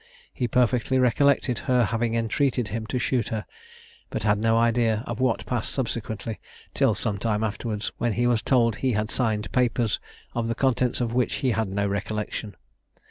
He perfectly recollected her having entreated him to shoot her, but had no idea of what passed subsequently, till some time afterwards, when he was told he had signed papers, of the contents of which he had no recollection.